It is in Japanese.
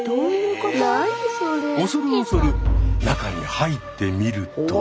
恐る恐る中に入ってみると。